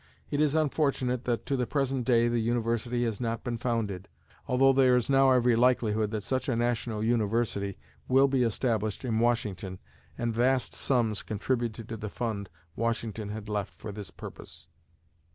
It is unfortunate that, to the present day, the university has not been founded, although there is now every likelihood that such a National University will be established in Washington and vast sums contributed to the fund Washington had left for this purpose.